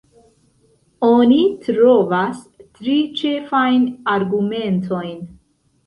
Oni trovas tri ĉefajn argumentojn.